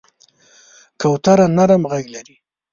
کوتره نرم غږ لري.